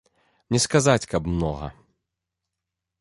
Не сказаць, каб многа.